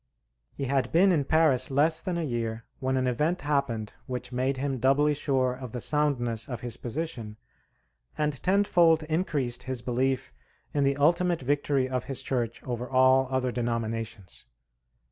He had been in Paris less than a year when an event happened which made him doubly sure of the soundness of his position, and tenfold increased his belief in the ultimate victory of his Church over all other denominations.